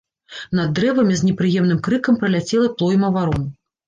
Над дрэвамі з непрыемным крыкам праляцела плойма варон.